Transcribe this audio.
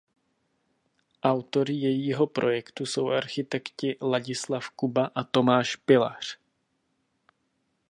Autory jejího projektu jsou architekti Ladislav Kuba a Tomáš Pilař.